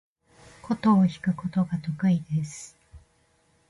箏を弾くことが得意です。